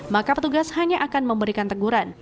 maka petugas hanya akan memberikan teguran